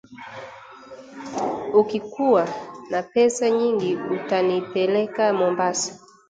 Ukikuwa na pesa nyingi utanipeleka Mombasa